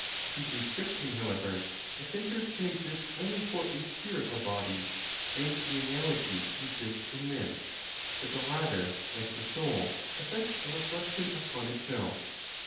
Speaking strictly, however, a centre can exist only for a spherical body, and the analogy consists in this, that the latter, like the Soul, effects a reflection upon itself.